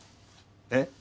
えっ？